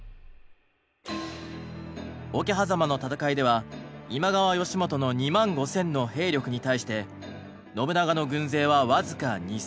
桶狭間の戦いでは今川義元の２万５，０００の兵力に対して信長の軍勢は僅か２，０００でした。